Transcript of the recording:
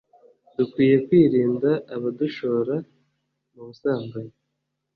dukwiye kwirinda abadushora mu busambanyi.